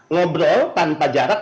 ngobrol tanpa jarak